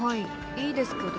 いいですけど。